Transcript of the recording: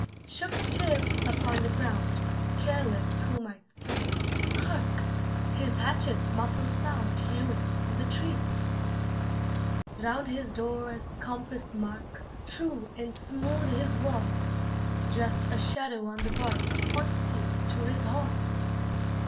Shook the chips upon the ground, Careless who might see. Hark! his hatchet's muffled sound Hewing in the tree. Round his door as compass mark, True and smooth his wall; Just a shadow on the bark Points you to his hall.